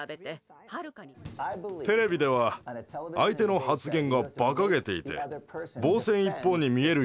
テレビでは相手の発言がバカげていて防戦一方に見えるように追い込みます。